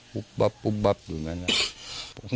ปุ๊บปับปุ๊บปับอยู่แบบนั้น